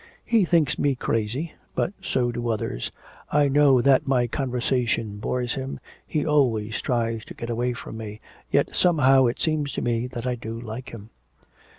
He thinks me crazy, but so do others; I know that my conversation bores him, he always tries to get away from me, yet somehow it seems to me that I do like him.'